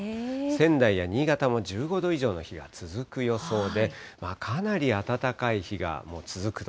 仙台や新潟も１５度以上の日が続く予想で、かなり暖かい日が続くと。